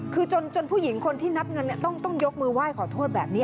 คือจนผู้หญิงคนที่นับเงินต้องยกมือไหว้ขอโทษแบบนี้